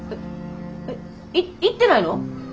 い行ってないの？